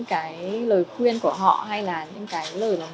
khi chúng tôi thấy đau thương